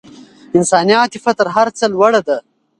انساني عاطفه تر هر څه لوړه ده.